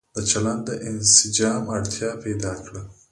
د چلن د انسجام اړتيا پيدا کړه